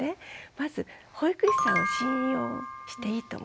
まず保育士さんを信用していいと思うんです。